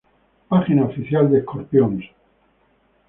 Página oficial de Scorpions